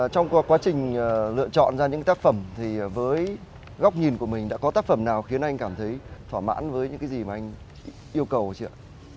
trong quá trình lựa chọn ra những tác phẩm thì với góc nhìn của mình đã có tác phẩm nào khiến anh cảm thấy thỏa mãn với những cái gì mà anh yêu cầu chưa ạ